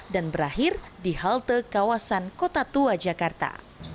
dan berakhir di halte kawasan kota tua jakarta